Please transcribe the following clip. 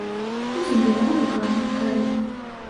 Хоць і невядома дакладна, калі.